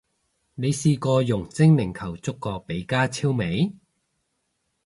你試過用精靈球捉過比加超未？